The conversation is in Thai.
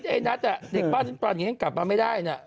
เด็กป้านฉันปร่อยอย่างนี้กลับมาไม่ได้